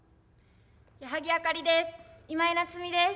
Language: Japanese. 矢作あかりです。